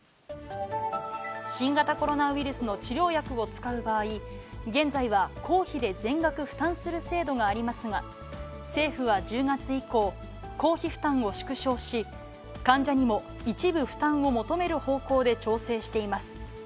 新型コロナウイルスの治療薬を使う場合、現在は公費で全額負担する制度がありますが、政府は１０月以降、公費負担を縮小し、患者にも一部負担を求める方向で調整しています。